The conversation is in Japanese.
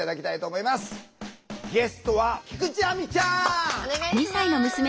ゲストは菊地亜美ちゃん！お願いします。